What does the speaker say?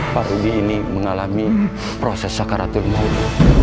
pak udi ini mengalami proses sakaratul maut